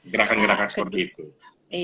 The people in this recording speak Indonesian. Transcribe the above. gerakan gerakan seperti itu